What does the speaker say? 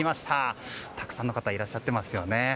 たくさんの方いらっしゃってます。